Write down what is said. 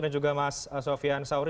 dan juga mas sofian sauri